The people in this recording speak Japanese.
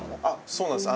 そうなんです。